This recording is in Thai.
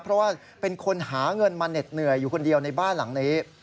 เพราะว่าเป็นคนหาเงินมาเหน็ดเหนื่อยอยู่คนเดียวในบ้านหลังนี้